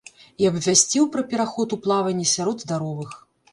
І абвясціў пра пераход у плаванне сярод здаровых.